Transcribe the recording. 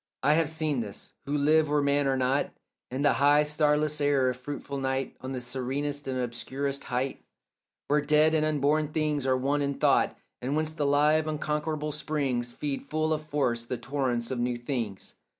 I have seen this, who live where men are not, In the high starless air of fruitful night On that serenest and obscurest height Where dead and unborn things are one in thought And whence the live unconquerable springs Feed full of force the torrents of new things.